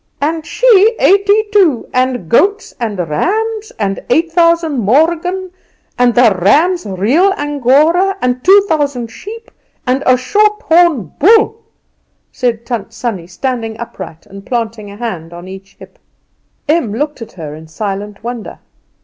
"And she eighty two, and goats, and rams, and eight thousand morgen, and the rams real angora, and two thousand sheep, and a short horn bull," said Tant Sannie, standing upright and planting a hand on each hip. Em looked at her in silent wonder.